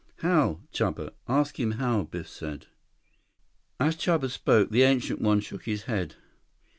"How, Chuba? Ask him how?" Biff said. As Chuba spoke, the Ancient One shook his head.